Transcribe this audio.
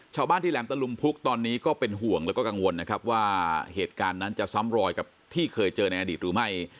ชาวบ้านที่แหลมตะลุมพุกตอนนี้ก็เป็นห่วงแล้วก็กังวลนะครับว่าเหตุการณ์นั้นจะซ้ำรอยกับที่เคยเจอในอดีตหรือไม่